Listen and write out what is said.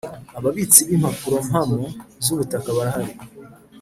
Ababitsi b’ impapurompamo z ‘ubutaka barahari.